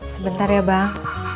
sebentar ya bang